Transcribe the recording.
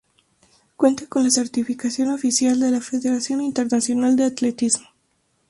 Cuenta con la certificación oficial de la Federación Internacional de Atletismo.